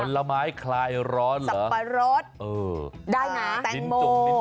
ผลไม้คลายร้อนเหรอสัมปรสได้ไหมแตงโม